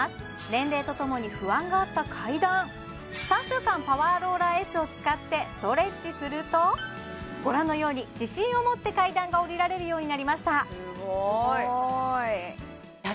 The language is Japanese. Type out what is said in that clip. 年齢とともに不安があった階段３週間パワーローラーＳを使ってストレッチするとご覧のように自信を持って階段が下りられるようになりました